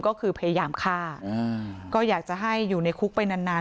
ก็คือพยายามฆ่าก็อยากจะให้อยู่ในคุกไปนานนาน